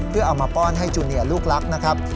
เพื่อเอามาป้อนให้จูเนียลูกรักนะครับ